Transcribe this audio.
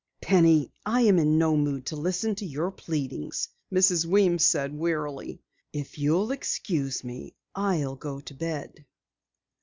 "Penny, I am in no mood to listen to your pleadings," Mrs. Weems said wearily. "If you'll excuse me, I'll go to bed."